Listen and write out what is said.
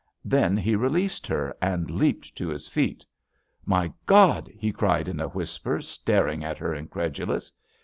Then he released her and leaped to his feet. "My God I" he cried in a whisper, staring at her, incredulous.